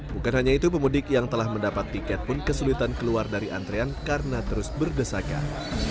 bukan hanya itu pemudik yang telah mendapat tiket pun kesulitan keluar dari antrean karena terus berdesakan